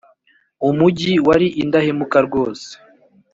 umugi wari indahemuka rwose